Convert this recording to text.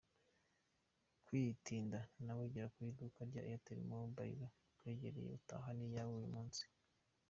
Witinda nawe gera ku iduka rya itel mobile rikwegereye utahane iyawe uyu munsi.